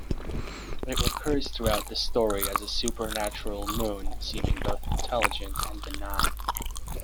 It recurs throughout the story as a supernatural moon seeming both intelligent and benign.